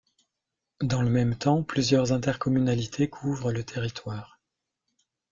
Dans le même temps, plusieurs intercommunalités couvrent le territoire.